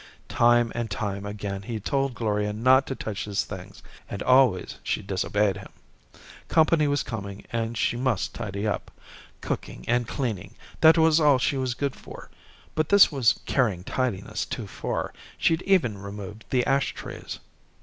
Time and time again he'd told Gloria not to touch his things, and always she'd disobeyed him. Company was coming and she must tidy up. Cooking and cleaning that was all she was good for. But this was carrying tidiness too far; she'd even removed the ashtrays.